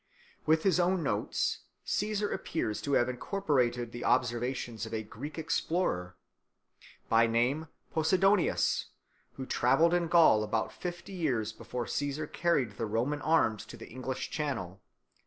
With his own notes Caesar appears to have incorporated the observations of a Greek explorer, by name Posidonius, who travelled in Gaul about fifty years before Caesar carried the Roman arms to the English Channel.